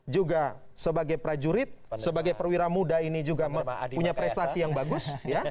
juga sebagai prajurit sebagai perwira muda ini juga punya prestasi yang bagus